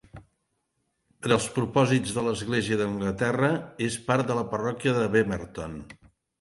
Per als propòsits de l'Església d'Anglaterra, és part de la parròquia de Bemerton.